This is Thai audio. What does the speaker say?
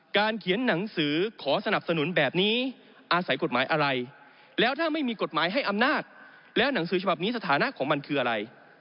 เขียนหนังสือขอสนับสนุนแบบนี้อาศัยกฎหมายอะไรแล้วถ้าไม่มีกฎหมายให้อำนาจแล้วหนังสือฉบับนี้สถานะของมันคืออะไร